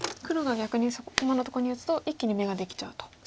黒が逆に今のとこに打つと一気に眼ができちゃうと。